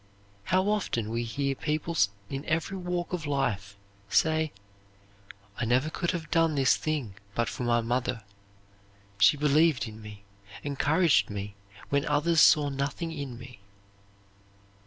How often we hear people in every walk of life say, "I never could have done this thing but for my mother. She believed in me, encouraged me when others saw nothing in me."